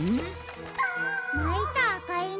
「ないたあかいぬ」？